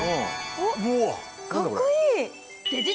おっかっこいい！